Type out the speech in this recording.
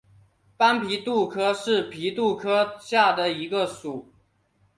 斑皮蠹属是皮蠹科下的一个属。